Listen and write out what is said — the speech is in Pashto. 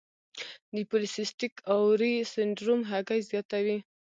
د پولی سیسټک اووری سنډروم هګۍ زیاتوي.